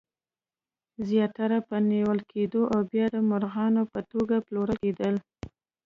زیاتره به نیول کېدل او بیا د مریانو په توګه پلورل کېدل.